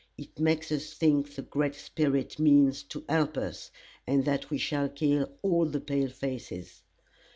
It makes us think the Great Spirit means to help us, and that we shall kill all the pale faces.